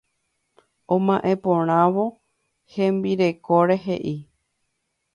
Oma'ẽ porãvo hembirekóre he'i.